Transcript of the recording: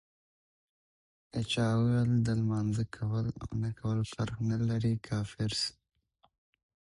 که چا وويل د لمانځه کول اونه کول فرق نلري، کافر سو